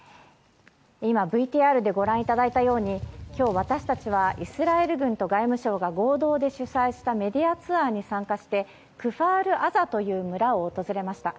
今、ＶＴＲでご覧いただいたように今日、私たちはイスラエル軍と外務省が合同で主催したメディアツアーに参加してクファール・アザという村を訪れました。